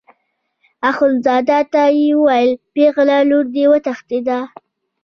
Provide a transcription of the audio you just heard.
اخندزاده ته یې وویل پېغله لور دې وتښتېده.